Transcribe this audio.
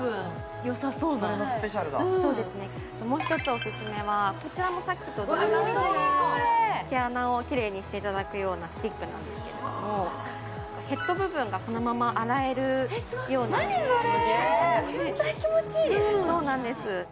もう一つオススメはこちらもさっきと同様で毛穴をきれいにしていただくようなスティックなんですけれどもヘッド部分がこのまま洗えるような・何それ？